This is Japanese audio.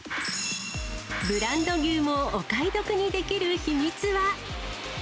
ブランド牛もお買い得にできる秘密は。